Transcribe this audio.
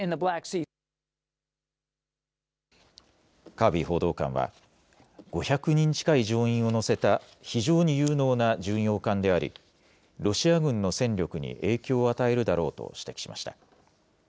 カービー報道官は５００人近い乗員を乗せた非常に有能な巡洋艦でありロシア軍の戦力に影響を与えるだろうと指摘しました。